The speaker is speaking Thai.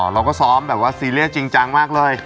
เราก็ซ้อมแบบว่าซีเรียสจริงจังมากเลย